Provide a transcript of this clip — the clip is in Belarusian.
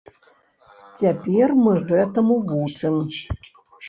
Цяпер мы гэтаму вучым.